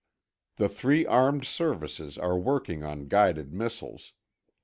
The three armed services are working on guided missiles.